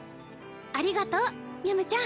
ありがとうみゃむちゃん！